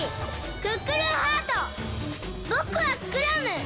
クックルンハートぼくはクラム！